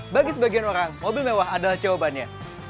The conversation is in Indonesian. bagi sebagian orang mobil mewah adalah jawabannya